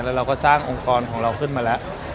แล้วเราก็สร้างองค์กรของเราขึ้นมาแล้ว